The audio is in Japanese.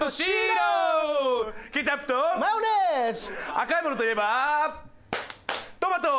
赤いものといえばトマト！